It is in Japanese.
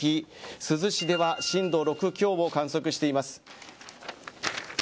珠洲市では震度６強を観測しています。